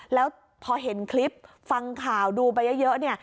แล้วพอเห็นคลิปฟังข่าวดูไปเยอะเนี่ย